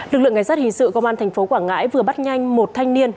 lực lượng ngay sát hình sự công an thành phố quảng ngãi vừa bắt nhanh một thanh niên